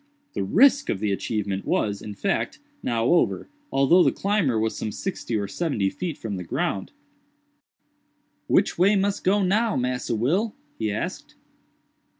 The risk of the achievement was, in fact, now over, although the climber was some sixty or seventy feet from the ground. "Which way mus go now, Massa Will?" he asked.